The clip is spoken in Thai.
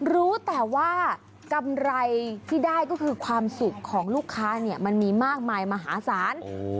รู้แต่ว่ากำไรที่ได้ก็คือความสุขของลูกค้าเนี่ยมันมีมากมายมหาศาล